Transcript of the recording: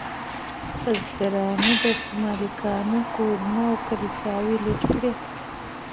بزګرانو د مالکانو کورونه او کلیساګانې لوټ کړې.